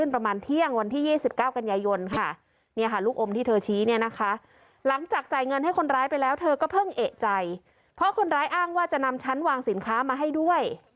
เพราะคนร้ายอ้างว่าจะนำชั้นวางสินค้ามาให้ด้วย